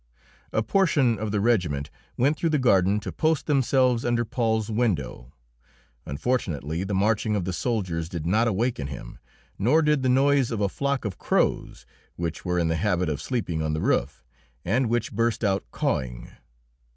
A portion of the regiment went through the garden to post themselves under Paul's window. Unfortunately, the marching of the soldiers did not awaken him; nor did the noise of a flock of crows, which were in the habit of sleeping on the roof, and which burst out cawing.